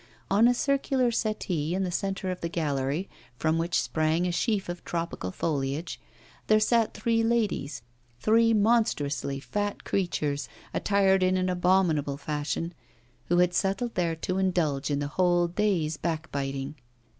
On a circular settee in the centre of the gallery, from which sprang a sheaf of tropical foliage, there sat three ladies, three monstrously fat creatures, attired in an abominable fashion, who had settled there to indulge in a whole day's backbiting.